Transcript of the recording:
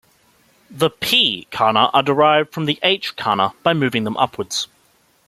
The "p" "kana" are derived from the "h" kana by moving them upwards.